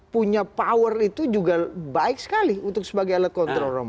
punya power itu juga baik sekali untuk sebagai alat kontrol rom